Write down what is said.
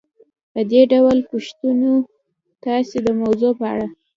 په دې ډول پوښتنو تاسې د موضوع په اړه